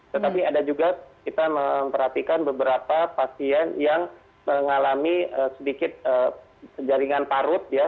tetapi ada juga kita memperhatikan beberapa pasien yang mengalami sedikit jaringan parut ya